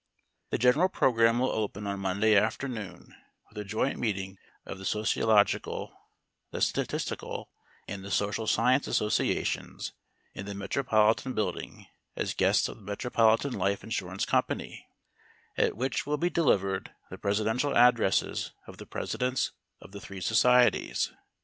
The general program will open on Monday afternoon with a joint meeting of the Sociological, the Statistical, and the Social Science Associations in the Metropolitan Building as guests of the Metropolitan Life Insurance Company, at which will be delivered the presidential addresses of the presidents of the three societies.